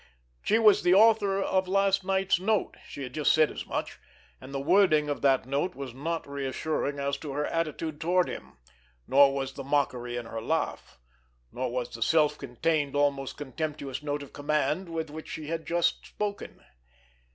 She was the author of last night's note—she had just said as much—and the wording of that note was not reassuring as to her attitude toward him, nor was the mockery in her laugh, nor was the self contained, almost contemptuous note of command with which she had just spoken.